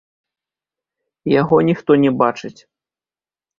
Яго ніхто не бачыць.